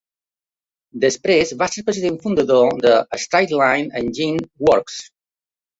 Després va ser president fundador de Straight Line Engine Works.